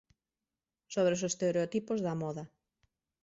Sobre os estereotipos da moda.